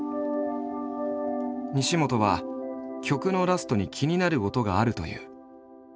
西本は曲のラストに気になる音があるという。